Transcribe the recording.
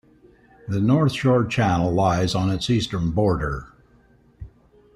The North Shore Channel lies on its eastern border.